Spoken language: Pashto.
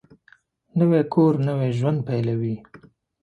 نوی کور نوی ژوند پېلوي